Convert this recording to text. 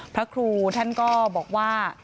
พระครูท่านก็บอกว่า